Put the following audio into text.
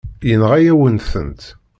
Yenɣa-yawen-tent.